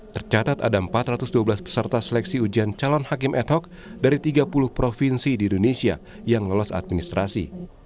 tercatat ada empat ratus dua belas peserta seleksi ujian calon hakim ad hoc dari tiga puluh provinsi di indonesia yang lolos administrasi